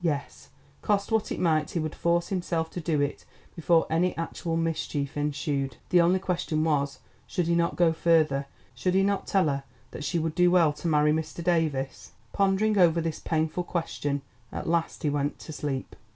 Yes, cost what it might, he would force himself to do it before any actual mischief ensued. The only question was, should he not go further? Should he not tell her that she would do well to marry Mr. Davies? Pondering over this most painful question, at last he went to sleep.